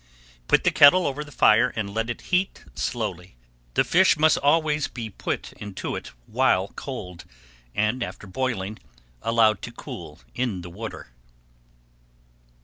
Put the kettle over the fire and let it heat slowly. The fish must always be put into it while cold and after boiling allowed to cool in the water.